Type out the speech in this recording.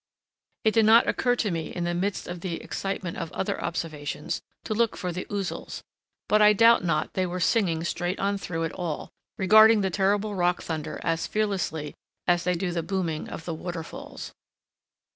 It did not occur to me in the midst of the excitement of other observations to look for the ouzels, but I doubt not they were singing straight on through it all, regarding the terrible rock thunder as fearlessly as they do the booming of the waterfalls.